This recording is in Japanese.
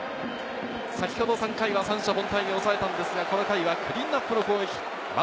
先ほど３回は三者凡退に抑えましたが、この回はクリーンナップの攻撃。